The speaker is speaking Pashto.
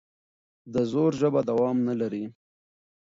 د زور ژبه دوام نه لري